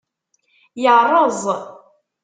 Yeṛṛeẓ.